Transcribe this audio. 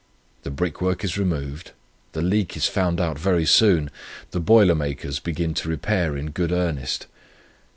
The brickwork is removed, the leak is found out very soon, the boiler makers begin to repair in good earnest.